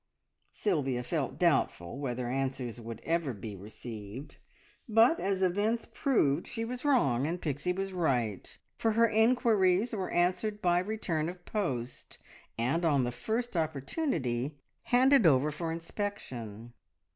Sylvia felt doubtful whether answers would ever be received, but as events proved, she was wrong, and Pixie was right, for her inquiries were answered by return of post, and on the first opportunity handed over for inspection.